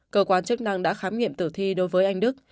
cơ quan chức năng đã khám nghiệm tử thi đối với anh đức